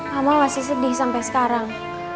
mama masih sedih sampai sekarang